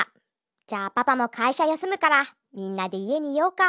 じゃあパパもかいしゃやすむからみんなでいえにいようか。